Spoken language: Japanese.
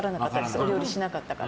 お料理をしなかったから。